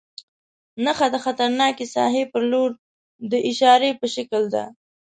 نښه د خطرناکې ساحې پر لور د اشارې په شکل ده.